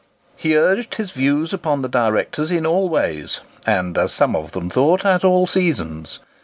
He urged his views upon the directors in all ways, and, as some of them thought, at all seasons.